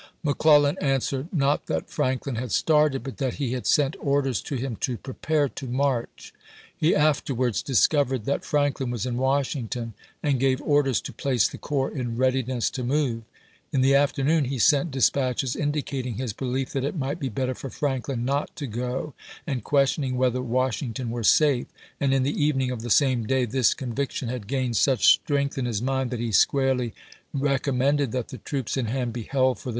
McClellan answered, not that Franklin had started, but that he had sent orders to him to " prepare to march." ibid., p. 95. He afterwards discovered that Franklin was in Washington, and gave orders to place the corps in " readiness to move." In the afternoon he sent ibid., p. m. dispatches indicating his belief that it might be better for Franklin not to go, and questioning whether Washington were safe ; and in the evening of the same day this conviction had gained such strength in his mind that he squarely recom mended that the troops in hand be held for the iwd..